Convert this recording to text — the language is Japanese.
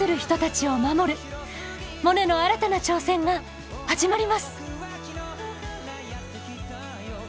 モネの新たな挑戦が始まります！